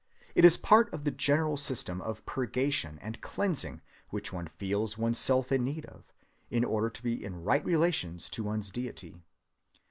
It is part of the general system of purgation and cleansing which one feels one's self in need of, in order to be in right relations to one's deity.